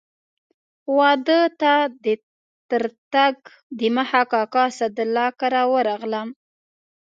واده ته تر تګ دمخه کاکا اسدالله کره ورغلم.